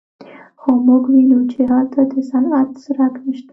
خو موږ ویني چې هلته د صنعت څرک نشته